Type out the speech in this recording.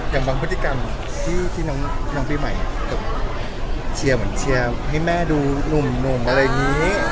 อย่างบางพฤติกรรมที่น้องปีใหม่เชียร์เหมือนเชียร์ให้แม่ดูหนุ่มอะไรอย่างนี้